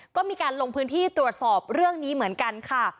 ก็มีการลงพื้นที่ตรวจสอบเรื่องนี้เหมือนกันค่ะ